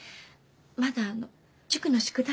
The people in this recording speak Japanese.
まだあの塾の宿題が。